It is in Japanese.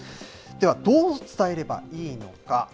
では、どう伝えればいいのか。